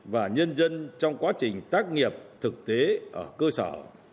và nhân dân trong quá trình tác nghiệp thực tế ở cơ sở